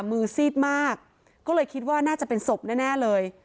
มือซีดมากก็เลยคิดว่าน่าจะเป็นศพแน่เลย